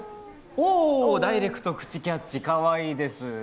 おお、ダイレクト口キャッチかわいいです。